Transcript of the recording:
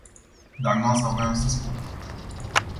Dar nu asta voiam să spun.